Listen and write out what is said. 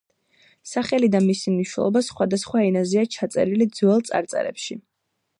სახელი და მისი მნიშვნელობა სხვადასხვა ენაზეა ჩაწერილი ძველ წარწერებში.